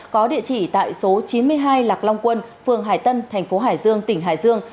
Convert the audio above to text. có địa chỉ tại số chín mươi hai lạc long quân phường hải tân thành phố hải dương tỉnh hải dương